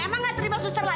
emang gak terima suster lagi